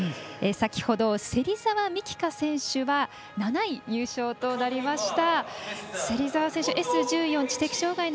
先ほど、芹澤美希香選手は７位入賞となりました。